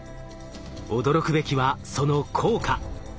驚くべきはその効果。